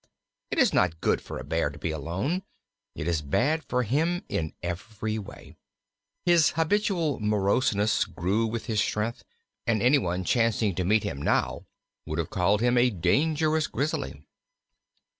It is not good for a Bear to be alone; it is bad for him in every way. His habitual moroseness grew with his strength, and any one chancing to meet him now would have called him a dangerous Grizzly.